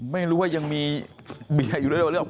ไม่รู้ว่ายังมีเบียร์อยู่แล้ว